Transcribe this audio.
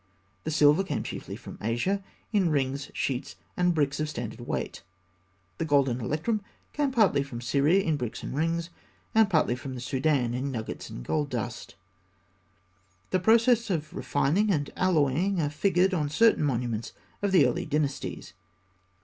The silver came chiefly from Asia, in rings, sheets, and bricks of standard weight. The gold and electrum came partly from Syria in bricks and rings; and partly from the Soudan in nuggets and gold dust. The processes of refining and alloying are figured on certain monuments of the early dynasties.